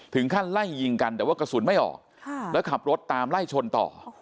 ไล่ยิงกันแต่ว่ากระสุนไม่ออกแล้วขับรถตามไล่ชนต่อ